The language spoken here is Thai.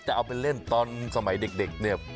แต่เอาไปเล่นตอนสมัยเด็กเนี่ย